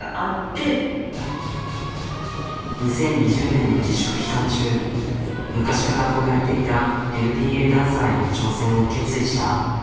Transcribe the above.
２０２０年の自粛期間中昔から憧れていたＮＢＡダンサーへの挑戦を決意した。